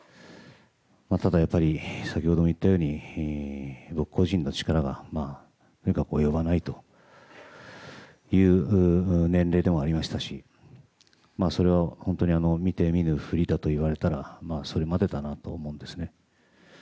ただ、先ほども言ったように僕個人の力が及ばないという年齢でもありましたしそれは本当に見て見ぬふりだといわれたらそれまでだなと思うんですね。